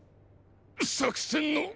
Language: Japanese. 作戦の。